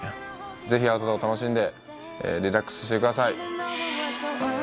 ぜひアウトドア楽しんでリラックスしてください。